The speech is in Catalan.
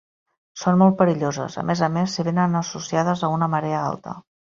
Són molt perilloses, a més a més si vénen associades a una marea alta.